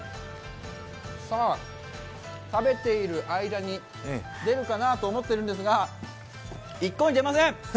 さあ、食べている間に出るかなと思っているんですが、一向に出ません！